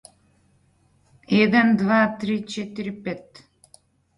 The Metroliner was an evolution of the Swearingen Merlin turboprop-powered business aircraft.